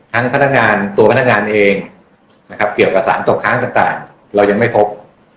ทั้งพนักงานตัวพนักงานเองประเวณสารตกค้างคร่างต่างเรายังไม่พบ